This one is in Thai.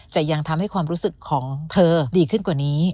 ยังทำให้ความรู้สึกของเธอดีขึ้นกว่านี้